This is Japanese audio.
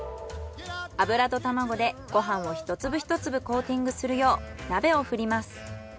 油と卵でご飯を一粒一粒コーティングするよう鍋を振ります。